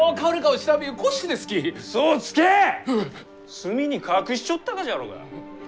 隅に隠しちょったがじゃろうが。